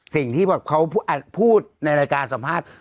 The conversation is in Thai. สิ่งที่แบบเขาพูดในรายการสัมภาษณ์